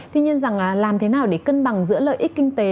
tuy nhiên rằng làm thế nào để cân bằng giữa lợi ích kinh tế